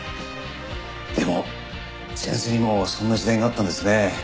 でも先生にもそんな時代があったんですね。